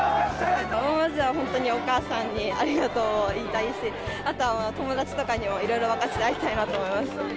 まずは本当にお母さんに、ありがとうを言いたいし、あとは友達とかにもいろいろ分かち合いたいなと思います。